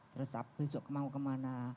terus besok mau ke mana